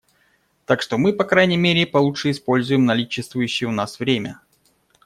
Так что мы, по крайней мере, получше используем наличествующее у нас время.